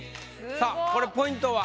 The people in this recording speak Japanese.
さあこれポイントは？